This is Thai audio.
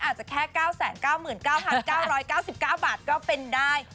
อาจจะแค่๙๙๙๙๙๙๙๙บาทก็เป็นได้